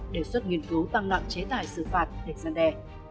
đề xuất nghiên cứu tăng nặng chế tài xử phạt để gian đe